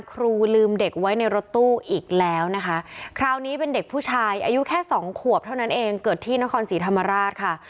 แต่ลืมเฦบน้อยคราวนี้เป็นเด็กผู้ชายอายุแค่๒ครับเกิดที่นครศรีธรรมราชค่ะ